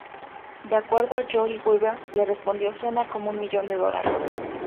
De acuerdo a Lloyd Webber, le respondió, "¡Suena como un millón de dólares!